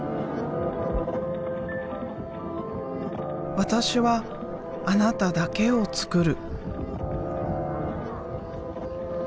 私はあなただけをつくる。